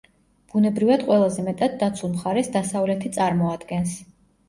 ბუნებრივად ყველაზე მეტად დაცულ მხარეს დასავლეთი წარმოადგენს.